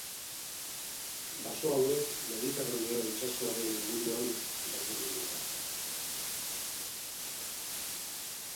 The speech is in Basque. Baso hauek Mediterraneo itsasoaren inguruan daude gehienbat.